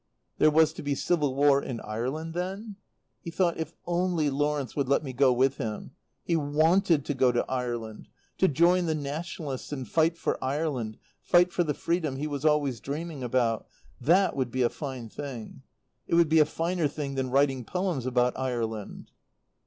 There was to be civil war in Ireland then? He thought: If only Lawrence would let him go with him. He wanted to go to Ireland. To join the Nationalists and fight for Ireland, fight for the freedom he was always dreaming about that would be a fine thing. It would be a finer thing than writing poems about Ireland.